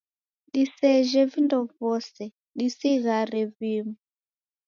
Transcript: Disejhe vindo vose, disighare vimu.